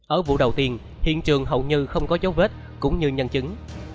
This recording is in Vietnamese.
ở vụ đầu tiên hiện trường hầu như không có dấu vết cũng như nhân chứng